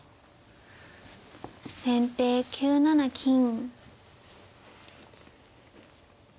先手９七金。